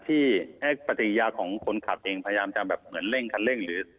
ที่ปัจเกียรติของคนขับเองพยายามจะเหมือนเร่งฆันเร่ง